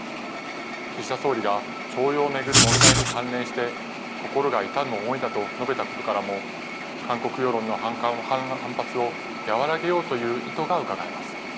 岸田総理が徴用を巡る問題に関連して心が痛む思いだと述べたことからも、韓国世論の反発を和らげようとする意図がうかがえます。